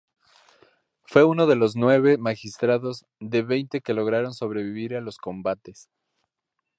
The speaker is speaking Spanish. Fue uno de los nueve magistrados, de veinte que lograron sobrevivir a los combates.